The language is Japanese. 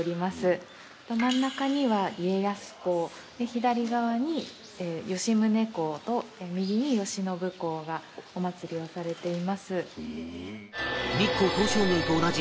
真ん中には家康公左側に吉宗公と右に慶喜公がお祀りをされています。